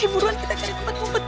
ayo buruan kita ke tempat tempat